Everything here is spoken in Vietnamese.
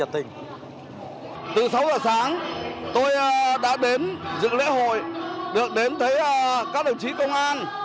từ sáu h sáng tôi đã đến dự lễ hội được đến thấy các đồng chí công an